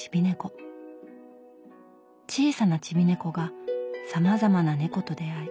小さな「チビ猫」がさまざまな猫と出会い